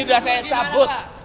sudah saya cabut